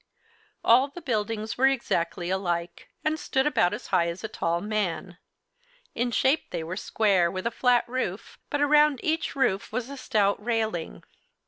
All the buildings were exactly alike, and stood about as high as a tall man. In shape they were square, with a flat roof, but around each roof was a stout railing.